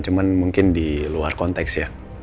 cuma mungkin di luar konteks ya